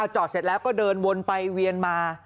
จอดเสร็จแล้วก็เดินวนไปเวียนมา